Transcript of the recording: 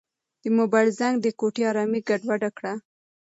د موبایل زنګ د کوټې ارامي ګډوډه کړه.